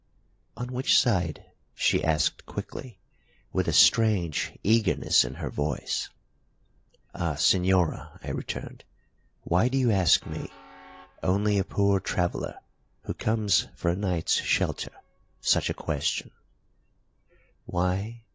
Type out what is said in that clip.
"On which side?" she asked quickly, with a strange eagerness in her voice. "Ah, señora," I returned, "why do you ask me, only a poor traveller who comes for a night's shelter, such a question " "Why?